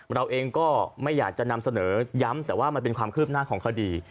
เราเองก็ไม่อยากจะนำเสนอย้ำแต่ว่ามันเป็นความคืบหน้าของคดี